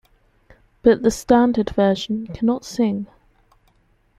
But the standard version cannot sing.